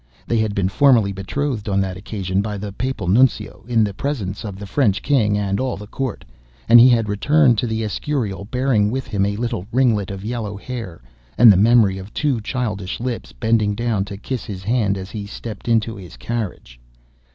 They had been formally betrothed on that occasion by the Papal Nuncio in the presence of the French King and all the Court, and he had returned to the Escurial bearing with him a little ringlet of yellow hair, and the memory of two childish lips bending down to kiss his hand as he stepped into his carriage.